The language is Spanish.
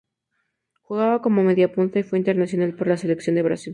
Jugaba como mediapunta y fue internacional por la Selección de Brasil.